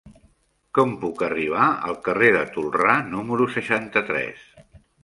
Com puc arribar al carrer de Tolrà número seixanta-tres?